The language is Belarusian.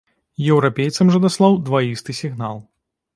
Еўрапейцам жа даслаў дваісты сігнал.